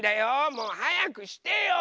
もうはやくしてよ。